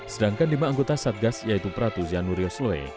sedangkan lima anggota satgas yaitu pratu zianurio sule